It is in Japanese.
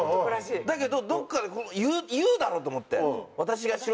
だけどどっかで言うだろうと思って。